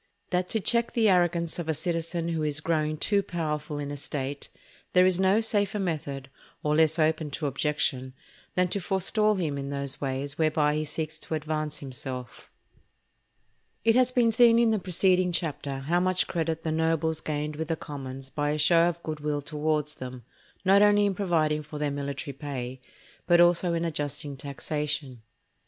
—_That to check the arrogance of a Citizen who is growing too powerful in a State, there is no safer Method, or less open to objection, than to forestall him in those Ways whereby he seeks to advance himself_. It has been seen in the preceding chapter how much credit the nobles gained with the commons by a show of good will towards them, not only in providing for their military pay, but also in adjusting taxation.